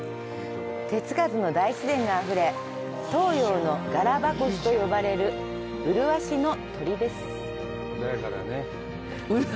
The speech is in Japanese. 手つかずの大自然があふれ東洋のガラパゴスと呼ばれる麗しの島です。